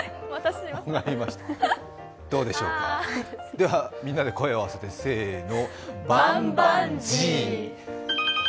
どうでしょうか、では、みんなで声を合わせて、せーの。